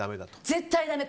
絶対だめ！